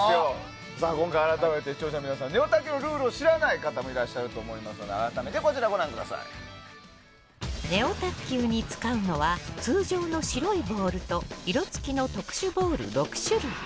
今回、改めて視聴者の皆さんはネオ卓球のルールを知らない方もいらっしゃると思うのでネオ卓球に使うのは通常の白いボールと色付きの特殊ボール６種類。